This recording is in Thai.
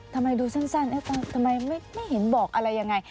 ทำไมดูสั้นทำไมไม่เห็นบอกอะไรยังไง